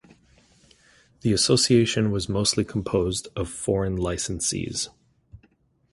The association was mostly composed of foreign licensees.